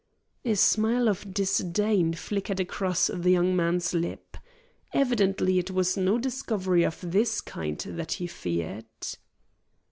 A smile of disdain flickered across the young man's lip. Evidently it was no discovery of this kind that he feared.